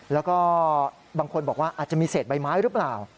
แล้วก็บางคนบอกว่าอาจจะมีเศษใบไม้หรือเปล่า